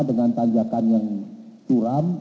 dengan tanjakan yang curam